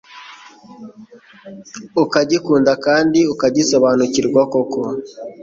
ukagikunda kandi ukagisobanukirwa koko